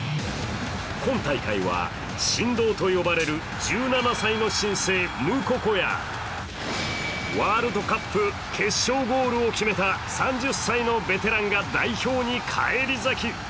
今大会は、神童と呼ばれる１７歳の新星・ムココやワールドカップ決勝ゴールを決めた３０歳のベテランが代表に返り咲き。